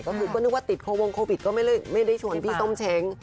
ก็คือก็นึกว่าติดโควงโควิดก็ไม่ได้ชวนพี่ส้มเช้ง